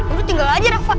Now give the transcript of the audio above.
aduh tinggal aja rafa